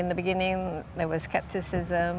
maksud saya pada awal ada skeptisisme